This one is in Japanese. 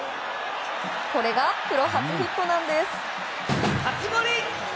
これがプロ初ヒットなんです！